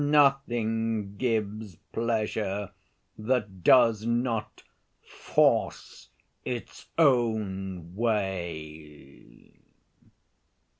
Nothing gives pleasure that does not force its own way."